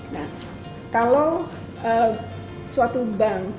nah kalau suatu bank